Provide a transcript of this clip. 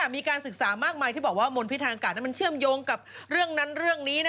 มีการศึกษามากมายที่บอกว่ามนพิษทางอากาศนั้นมันเชื่อมโยงกับเรื่องนั้นเรื่องนี้